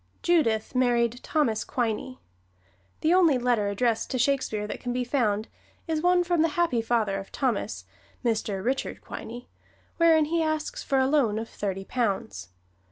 Judith married Thomas Quiney. The only letter addressed to Shakespeare that can be found is one from the happy father of Thomas, Mr. Richard Quiney, wherein he asks for a loan of thirty pounds.